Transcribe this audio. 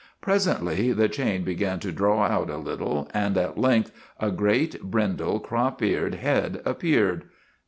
Presently the chain began to draw out a little, and at length a great, brindle, crop eared head ap peared.